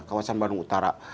kawasan bandung utara